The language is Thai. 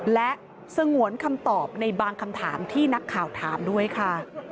และสงวนคำตอบในบางคำถามที่นักข่าวถามด้วยค่ะ